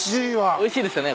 おいしいですよね